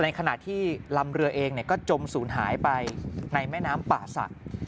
ในขณะที่ลำเรือเองก็จมสูญหายไปในแม่น้ำป่าสัตว์